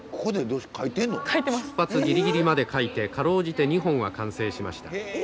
出発ギリギリまで描いてかろうじて２本は完成しました。